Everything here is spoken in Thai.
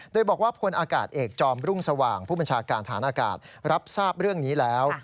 โดยบอกว่าพลอากาศเอกจอมรุ่งสว่างผู้บัญชาการฐานอากาศรับทราบเรื่องนี้แล้ว